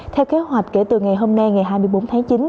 theo kế hoạch kể từ ngày hôm nay ngày hai mươi bốn tháng chín